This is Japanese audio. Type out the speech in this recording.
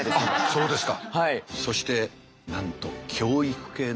そうですよ。